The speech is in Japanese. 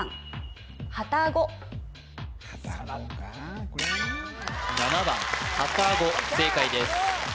はたごか７番はたご正解です